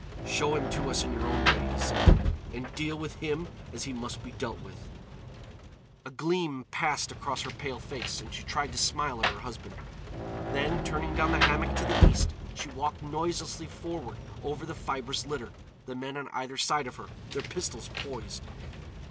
"Show him to us in your own way," he said, "and deal with him as he must be dealt with." A gleam passed across her pale face and she tried to smile at her husband. Then, turning down the hammock to the east, she walked noiselessly forward over the fibrous litter, the men on either side of her, their pistols poised.